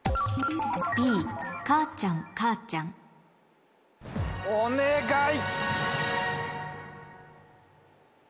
「Ｂかあちゃんかあちゃん」お願い！